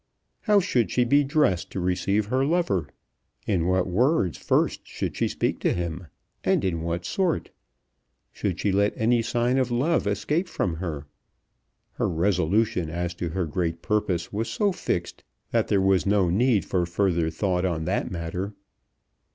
How should she be dressed to receive her lover? In what words first should she speak to him, and in what sort? Should she let any sign of love escape from her? Her resolution as to her great purpose was so fixed that there was no need for further thought on that matter.